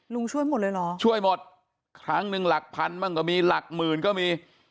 ช่วยหมดเลยเหรอช่วยหมดครั้งหนึ่งหลักพันบ้างก็มีหลักหมื่นก็มี